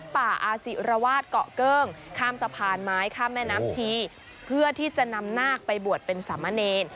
บริโฆษณ์เป็นสามะเนต